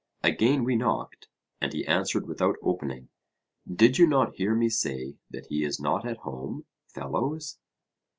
Again we knocked, and he answered without opening: Did you not hear me say that he is not at home, fellows?